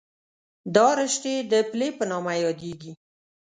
دا رشتې د پلې په نامه یادېږي.